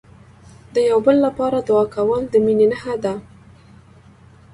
د یو بل لپاره دعا کول، د مینې نښه ده.